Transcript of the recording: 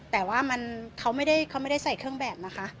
แต่ว่ามันเขาไม่ได้เขาไม่ได้ใส่เครื่องแบบนะคะ